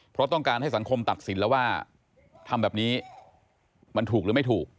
เพราะต้องการให้สังคมตัดสินแล้วว่าทำแบบนี้มันถูกหรือไม่ถูก